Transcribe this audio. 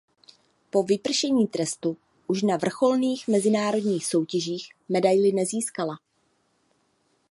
Po vypršení trestu už na vrcholných mezinárodních soutěžích medaili nezískala.